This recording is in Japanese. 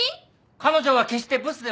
彼女は決してブスではない！